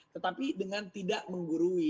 tetapi dengan tidak menggurui